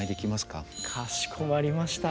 かしこまりました。